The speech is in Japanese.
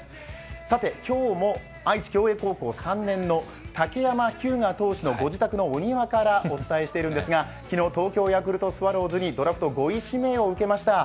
さて、今日も高校３年の竹山日向投手の御自宅のお庭からお届けしているんですが、昨日、東京ヤクルトスワローズに５位指名を受けました。